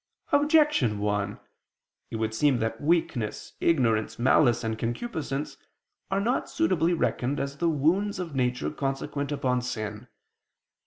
Objection 1: It would seem that weakness, ignorance, malice and concupiscence are not suitably reckoned as the wounds of nature consequent upon sin.